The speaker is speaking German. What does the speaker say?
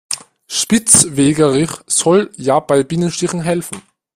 Spitzwegerich soll ja bei Bienenstichen helfen.